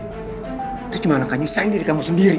itu cuma alangkah nyusahin diri kamu sendiri